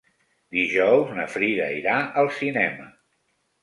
Dijous na Frida irà al cinema.